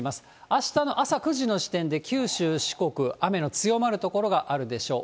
あしたの朝９時の時点で九州、四国、雨の強まる所があるでしょう。